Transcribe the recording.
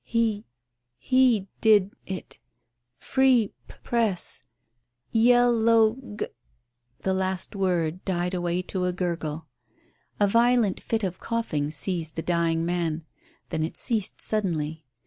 "He he did it. Free P Press. Yell ow G " The last word died away to a gurgle. A violent fit of coughing seized the dying man, then it ceased suddenly.